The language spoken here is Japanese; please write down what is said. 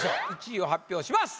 １位を発表します。